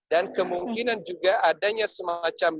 dan kemungkinan juga adanya semacam